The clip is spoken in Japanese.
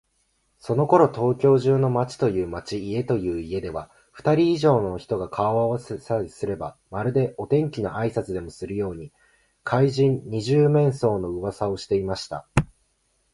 そのころ、東京中の町という町、家という家では、ふたり以上の人が顔をあわせさえすれば、まるでお天気のあいさつでもするように、怪人「二十面相」のうわさをしていました。